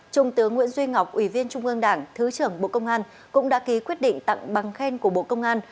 trung tướng nguyễn duy ngọc ủy viên trung ương đảng thứ trưởng bộ công an cũng đã ký quyết định tặng bằng khen của bộ công an